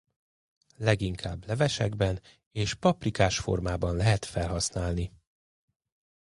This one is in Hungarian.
Leginkább levesekben és paprikás-formában lehet felhasználni.